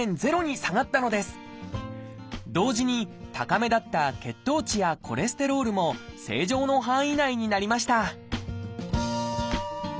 同時に高めだった血糖値やコレステロールも正常の範囲内になりました